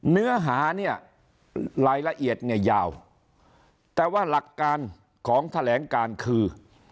เนื้อหาเนี่ยรายละเอียดเนี่ยยาวแต่ว่าหลักการของแถลงการคือ